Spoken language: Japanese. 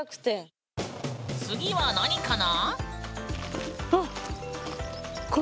次は何かな？